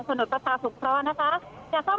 แต่ว่าเสียงคล้ายกับกระทับยักษ์เนี่ย